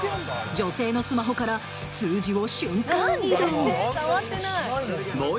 女性のスマホから数字を瞬間移動。